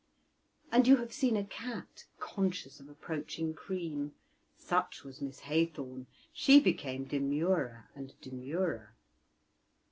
And you have seen a cat conscious of approaching cream: such was Miss Haythorn; she became demurer and demurer.